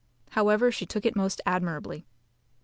However, she took it most admirably.